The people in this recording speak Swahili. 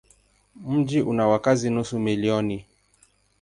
Mji una wakazi nusu milioni.